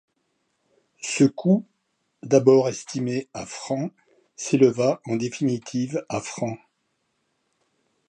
Ce coût d'abord estimé à francs s'éleva en définitive à francs.